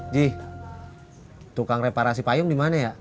jih tukang reparasi payung dimana ya